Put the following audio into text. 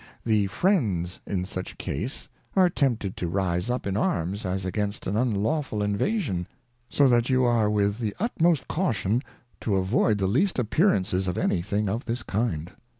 The Friends in such a Case are tempted to rise up in Arms as against an unlawful Invasion, so that you are with the utmost Caution to avoid the least appearances of any thing of this Kind.